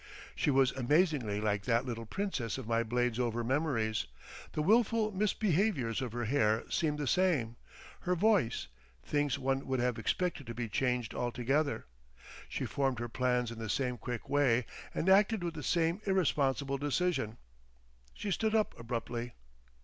She was amazingly like that little Princess of my Bladesover memories, the wilful misbehaviours of her hair seemed the same—her voice; things one would have expected to be changed altogether. She formed her plans in the same quick way, and acted with the same irresponsible decision. She stood up abruptly.